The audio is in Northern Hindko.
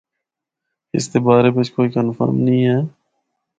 اس دے بارے بچ کوئی کنفرم نیں ہے۔